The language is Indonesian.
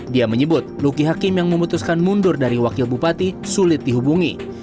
dia menyebut luki hakim yang memutuskan mundur dari wakil bupati sulit dihubungi